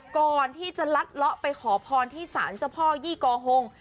ก่อนที่จะลัดเลาะไปขอพรที่สารเจ้าพ่อยี่กอฮง